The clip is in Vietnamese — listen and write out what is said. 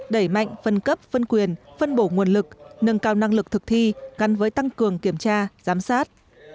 đẩy mạnh phân cấp phân quyền phân bổ nguồn lực nâng cao năng lực thực thi gắn với tăng cường kiểm tra giám sát